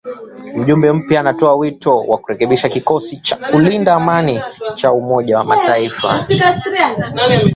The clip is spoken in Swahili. Mjumbe mpya anatoa wito wa kurekebishwa kikosi cha kulinda amani cha Umoja wa Mataifa